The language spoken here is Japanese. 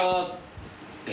・え？